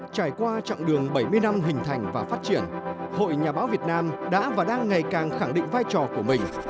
trải qua chặng đường bảy mươi năm hình thành và phát triển hội nhà báo việt nam đã và đang ngày càng khẳng định vai trò của mình